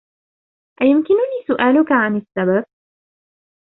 أيمكنني سؤالك عن السبب؟